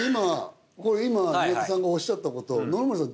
今宮田さんがおっしゃったこと野々村さん